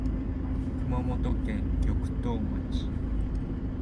熊本県玉東町